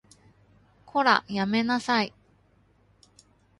こら、やめなさい